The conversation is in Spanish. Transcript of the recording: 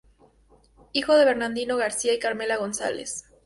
Hijo de Bernardino García y Carmela González.